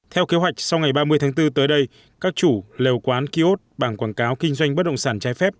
theo kế hoạch sau ngày ba mươi tháng bốn tới đây các chủ liều quán kỳ ốt bảng quảng cáo kinh doanh bất động sản trái phép